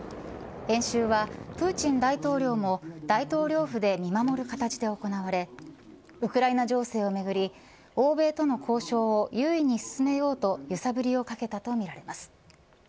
演習は、プーチン大統領も大統領府で見守る形で行われウクライナ情勢をめぐり欧米との交渉を優位に進めようと揺さぶりをかけたとみられます。